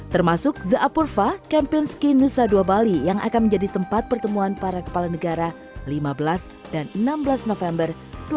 termasuk the apurva kempinski nusa dua bali yang akan menjadi tempat pertemuan para kepala negara lima belas dan enam belas november dua ribu dua puluh